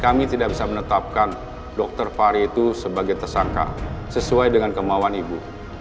kami tidak bisa menetapkan dr fahri itu sebagai tersangka sesuai dengan kemauan ibu